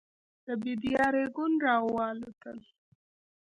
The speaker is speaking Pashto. د بېدیا رېګون راوالوتل.